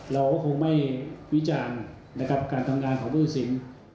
เราก็คงไม่วิจารณ์นะครับการทำงานของผู้ตัดสิน